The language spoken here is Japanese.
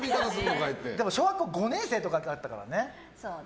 小学校５年生とかだったからね。